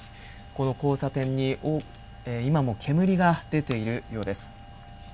この交差点に今も煙が出ているようです。